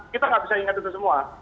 kita nggak bisa ingat itu semua